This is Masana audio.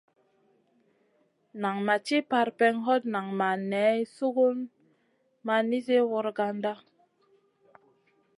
Nan ma ci parpèŋè, hot nan ma ŋay sungun ma nizi wragandana.